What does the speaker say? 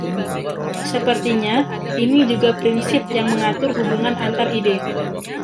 Sepertinya, ini juga “prinsip” yang mengatur hubungan antar ide.